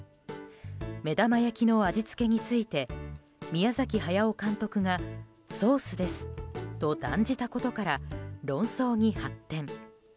目玉焼きの味付けについて宮崎駿監督がソースですと断じたことから論争に発展。